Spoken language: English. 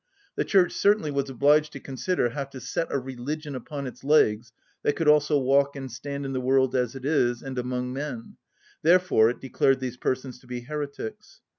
The Church certainly was obliged to consider how to set a religion upon its legs that could also walk and stand in the world as it is, and among men; therefore it declared these persons to be heretics.